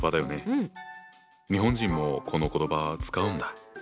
日本人もこの言葉使うんだ。